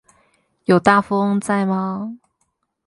有大富翁在嗎